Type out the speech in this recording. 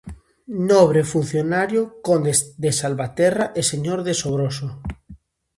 Nobre e funcionario, conde de Salvaterra e señor de Sobroso.